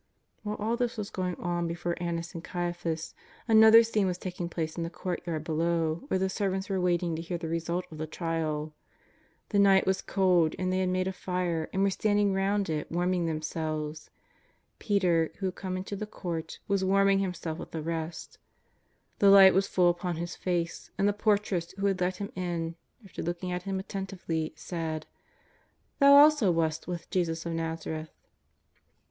While all this was going on before Annas and Caia phas, another scene was taking place in the courtyard below where the servants were waiting to hear the re sult of the trial. The night was cold and they had made a fire and were standing round it warming them selves. Peter, who had come into the court, was warm ing himself with the rest. The light was full upon his face, and the portress, who had let him in, after looking at him attentively, said :" Thou also wast with tTesus of ITazareth."